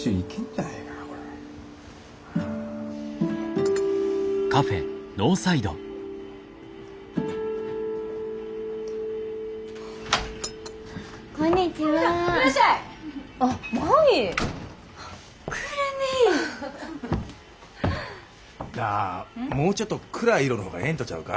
なあもうちょっと暗い色の方がええんとちゃうか？